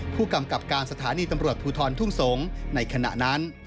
ผู้กำกับการสถานีตำรวจภูทรทุ่งสงศ์ในขณะนั้น